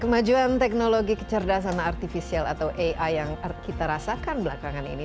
kemajuan teknologi kecerdasan artifisial atau ai yang kita rasakan belakangan ini